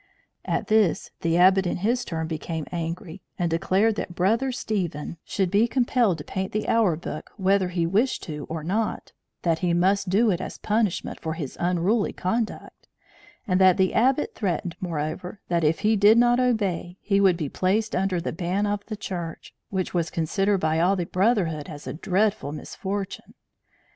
At this the Abbot in his turn became angry, and declared that Brother Stephen should be compelled to paint the hour book whether he wished to or not; that he must do it as punishment for his unruly conduct; and the Abbot threatened, moreover, that if he did not obey, he would be placed under the ban of the Church, which was considered by all the brotherhood as a dreadful misfortune.